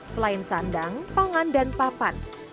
selain sandang pangan dan papan